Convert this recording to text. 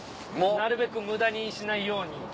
なるべく無駄にしないように。